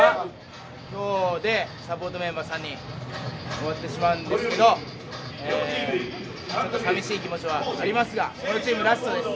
今日でサポートメンバー３人、終わってしまうんですけど、さみしい気持ちはありますがこのチーム、ラストです。